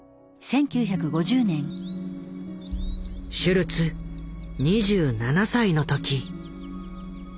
シュルツ２７歳の時。